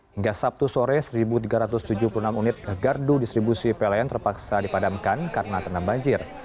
hingga sabtu sore satu tiga ratus tujuh puluh enam unit gardu distribusi pln terpaksa dipadamkan karena ternam banjir